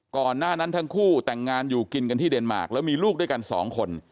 ก่อนหน้านั้นทั้งคู่แต่งงานอยู่กินกันที่เดนมาร์คแล้วมีลูกด้วยกันสองคน